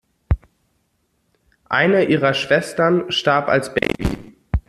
Eine ihrer Schwestern starb als Baby.